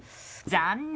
残念！